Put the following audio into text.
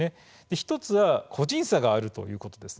１つは個人差があるということです。